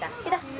cita makan lagi